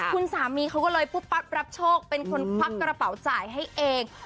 คุณสามีเขาก็เลยปุ๊บปั๊บรับโชคเป็นคนควักกระเป๋าจ่ายให้เอง